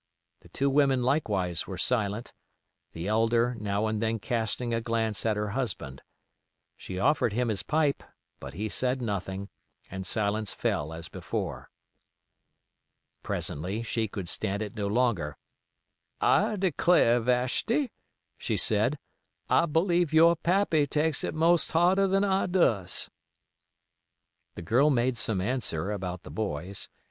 The two women likewise were silent, the elder now and then casting a glance at her husband. She offered him his pipe, but he said nothing, and silence fell as before. Presently she could stand it no longer. "I de clar, Vashti," she said, "I believe your pappy takes it most harder than I does." The girl made some answer about the boys.